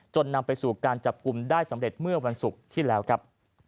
นำไปสู่การจับกลุ่มได้สำเร็จเมื่อวันศุกร์ที่แล้วครับ